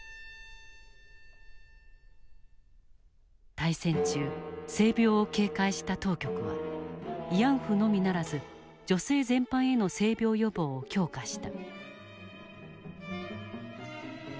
大戦中性病を警戒した当局は慰安婦のみならず女性全般への性病予防を強化した。